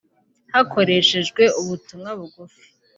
Hakoreshejwe ubutumwa bugufi